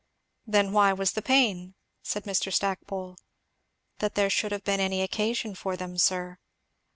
"Then why was the pain?" said Mr. Stackpole. "That there should have been any occasion for them, sir."